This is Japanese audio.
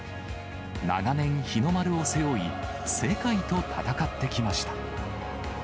長年、日の丸を背負い、世界と戦ってきました。